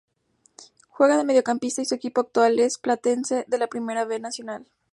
Juega de mediocampista y su equipo actual es Platense, de la Primera B Nacional.